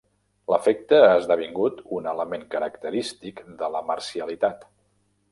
L'efecte ha esdevingut un element característic de la marcialitat.